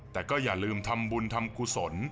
แต่ก็อย่าลืมทำบุญทำกุศล